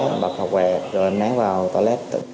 thì hãy curious vào video này và ủng hộ kênh tús ap nhé